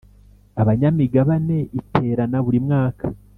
Abanyamigabane iterana buri mwaka